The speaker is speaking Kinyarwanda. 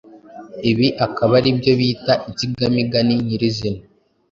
Ibi akaba ari byo bita insigamigani nyirizina.